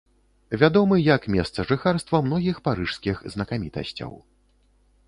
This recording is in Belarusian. Вядомы як месца жыхарства многіх парыжскіх знакамітасцяў.